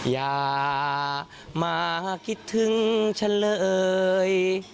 อย่ามาพี่ทึ่งฉันเลย